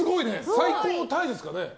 最高タイですかね。